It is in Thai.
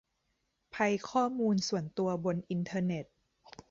ภัยข้อมูลส่วนตัวบนอินเทอร์เน็ต